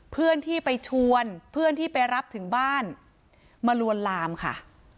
เพื่อนที่ไปชวนเพื่อนที่ไปรับถึงบ้านมาลวนลามค่ะ